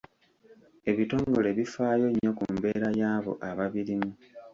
Ebitongole bifaayo nnyo ku mbeera y'abo ababirimu.